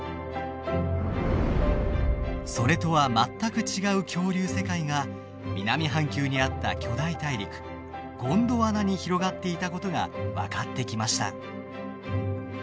それとは全く違う恐竜世界が南半球にあった巨大大陸ゴンドワナに広がっていたことが分かってきました。